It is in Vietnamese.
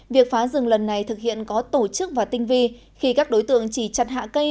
việc phá rừng lần này thực hiện có tổ chức và tinh vi khi các đối tượng chỉ chặt hạ cây